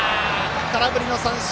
空振り三振！